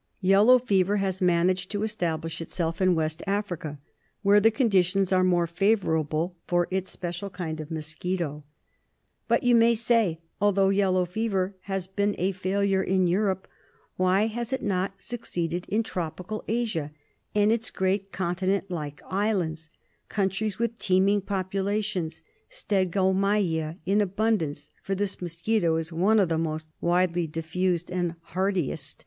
Yellow fever has managed to establish itself in West Africa, where the conditions are more favourable for its special kind of mosquito. But, you may say, although yellow fever has been a failure in Europe why has it not succeeded in tropical Asia and its great continent like islands, countries with teeming populations, stegomyia in abundance (for this mosquito is one of the most widely diffused and hardiest 214 PROBLEMS IN TROPICAL MEDICINE.